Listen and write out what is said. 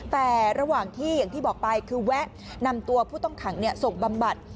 แต่ระหว่างที่อย่างที่บอกไปคือแวะนำตัวผู้ต้องขังส่งบำบัด